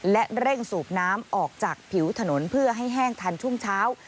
และเร่งสูบน้ำออกจากผิวถนนเพื่อให้แห้งทันช่วงเช้า